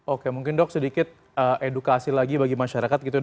oke mungkin dok sedikit edukasi lagi bagi masyarakat gitu